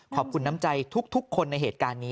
น้ำใจทุกคนในเหตุการณ์นี้